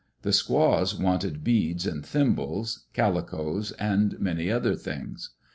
The squaws wanted beads and thimbles, calicoes, and many other things.